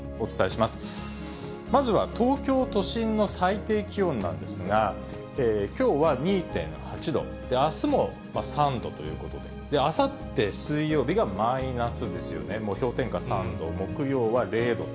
まずは東京都心の最低気温なんですが、きょうは２．８度、あすも３度ということで、あさって水曜日がマイナスですよね、もう氷点下３度、木曜は０度と。